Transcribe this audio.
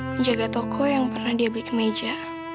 menjaga toko yang pernah dia beli kemeja